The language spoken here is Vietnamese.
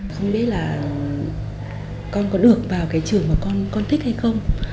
không biết là con có được vào cái trường mà con con thích hay không